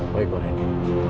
baik pak randy